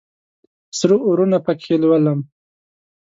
سره اورونه پکښې لولم